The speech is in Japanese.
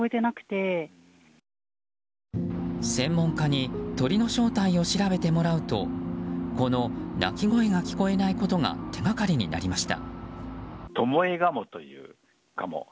専門家に鳥の正体を調べてもらうとこの鳴き声が聞こえないことが手がかりになりました。